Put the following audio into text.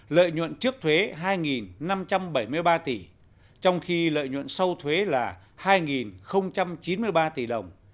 lợi nhuận trước thuế hai năm trăm bảy mươi ba tỷ trong khi lợi nhuận sau thuế là hai chín mươi ba tỷ đồng